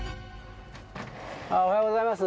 おはようございます。